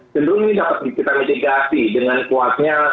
cenderung ini dapat kita mitigasi dengan kuatnya